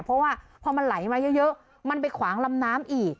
เพราะว่าพอมันไหลมาเยอะมันไปขวางลำน้ำอีก